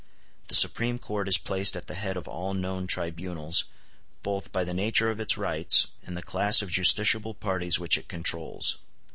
The Supreme Court is placed at the head of all known tribunals, both by the nature of its rights and the class of justiciable parties which it controls.